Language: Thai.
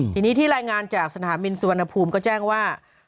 ทีนี้ที่รายงานจากสนามบินสุวรรณภูมิก็แจ้งว่า